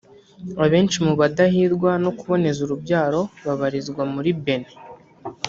Abenshi mu badahirwa no kuboneza urubyaro babarizwa muri Benin